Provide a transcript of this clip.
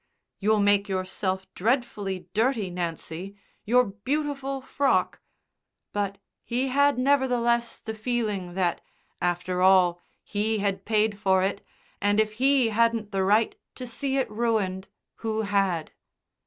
"You'll make yourself dreadfully dirty, Nancy. Your beautiful frock " But he had nevertheless the feeling that, after all, he had paid for it, and if he hadn't the right to see it ruined, who had?